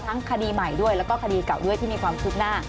คดีใหม่ด้วยแล้วก็คดีเก่าด้วยที่มีความคืบหน้า